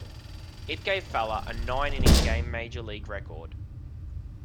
It gave Feller a nine-inning game major league record.